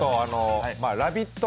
「ラヴィット！」